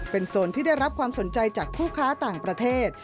เป็นโซนที่ได้รับความสนใจจากผู้ค้าต่างประเทศ